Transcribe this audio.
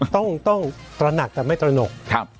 ตระหนักแต่ไม่ตระหนก